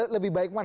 lebih baik mana